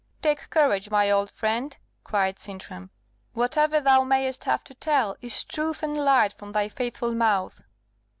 "Take courage, my old friend!" cried Sintram. "Whatever thou mayest have to tell is truth and light from thy faithful mouth."